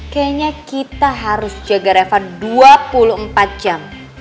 kayaknya kita harus jaga refan dua puluh empat jam